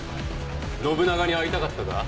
信長に会いたかったか？